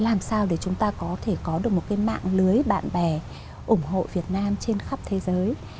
làm sao để chúng ta có thể có được một cái mạng lưới bạn bè ủng hộ việt nam trên khắp thế giới